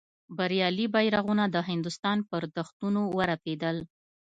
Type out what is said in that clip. بریالي بیرغونه د هندوستان پر دښتونو ورپېدل.